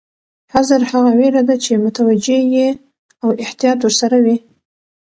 حذر هغه وېره ده چې متوجه یې او احتیاط ورسره وي.